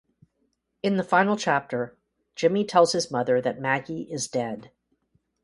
In the final chapter, Jimmie tells his mother that Maggie is dead.